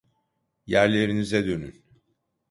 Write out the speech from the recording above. Yerlerinize dönün!